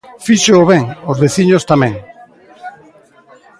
Fíxoo ben, os veciños tamén.